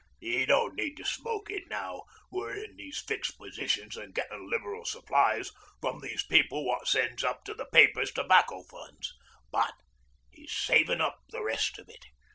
''E don't need to smoke it, now we're in these fixed positions an' getting liberal supplies from these people that sends up to the papers' Tobacco Funds. But 'e's savin' up the rest of it.